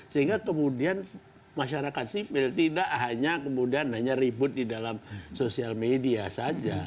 sehingga kemudian masyarakat sipil tidak hanya kemudian hanya ribut di dalam sosial media saja